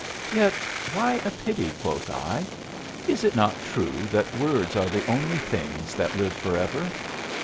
"Yet why a pity?" quoth I. "Is it not true that words are the only things that live forever?